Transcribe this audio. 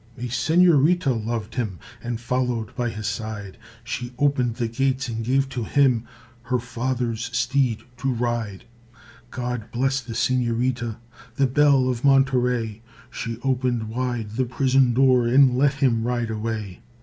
A senorita loved him, And followed by his side; She opened the gates and gave to him Her father's steed to ride. God bless the senorita, The belle of Monterey, She opened wide the prison door And let him ride away.